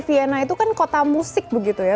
viena itu kan kota musik begitu ya